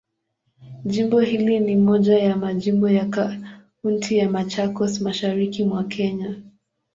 Jimbo hili ni moja ya majimbo ya Kaunti ya Machakos, Mashariki mwa Kenya.